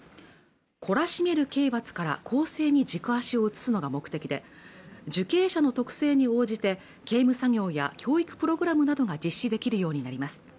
懲らしめる刑罰から更正に軸足を移すのが目的で受刑者の特性に応じて刑務作業や教育プログラムなどが実施できるようになります